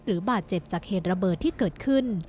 บาดเจ็บจากเหตุระเบิดที่เกิดขึ้น